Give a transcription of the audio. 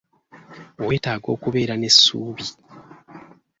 Weetaaga okubeera n'essuubi.